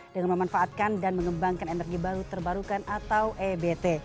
dengan memanfaatkan dan mengembangkan energi baru terbarukan atau ebt